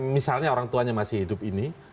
misalnya orang tuanya masih hidup ini